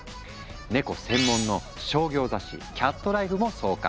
ネコ専門の商業雑誌「キャットライフ」も創刊。